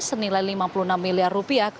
senilai lima puluh enam miliar rupiah